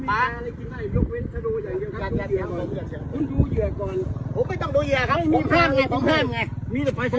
พวกเราก็คิดใช่หรอ